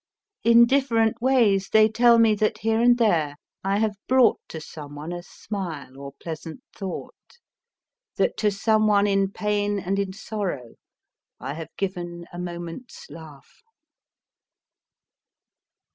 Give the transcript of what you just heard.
In different ways they tell me that, here and there, I have brought to some one a smile or pleasant thought ; that to some one in pain and in sorrow 1 have given a moment s laugh.